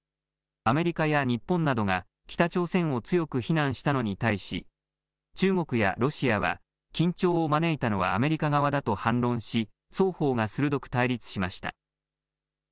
アメリカや日本などが北朝鮮を強く非難したのに対し、中国やロシアは緊張を招いたのはアメリカ側だと反論し、双方が鋭く対立しました。